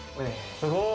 すごい。